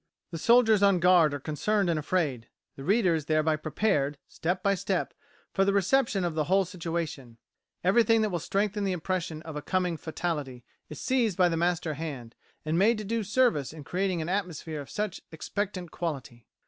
The soldiers on guard are concerned and afraid; the reader is thereby prepared, step by step, for the reception of the whole situation; everything that will strengthen the impression of a coming fatality is seized by a master hand, and made to do service in creating an atmosphere of such expectant quality.